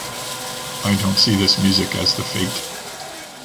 I don’t see this music as the fate.